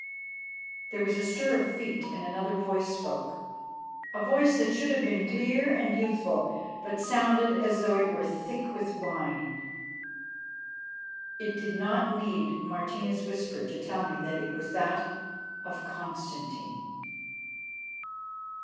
There was a stir of feet and another voice spoke, a voice that should have been clear and youthful, but sounded as though it were thick with wine. It did not need Martina's whisper to tell me that it was that of Constantine.